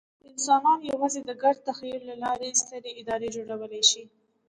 انسانان یواځې د ګډ تخیل له لارې سترې ادارې جوړولی شي.